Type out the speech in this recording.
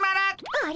あれ？